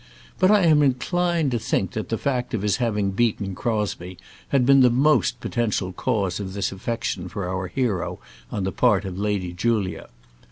But I am inclined to think that the fact of his having beaten Crosbie had been the most potential cause of this affection for our hero on the part of Lady Julia.